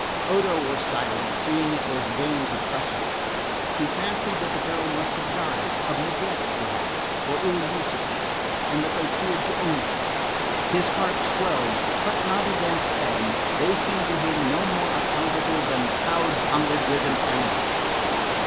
Odo was silent, seeing it was vain to press her. He fancied that the girl must have died of neglect perhaps, or ill usage and that they feared to own it. His heart swelled, but not against them: they seemed to him no more accountable than cowed hunger driven animals.